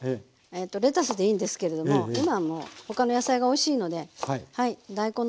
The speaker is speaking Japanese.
レタスでいいんですけれども今もう他の野菜がおいしいので。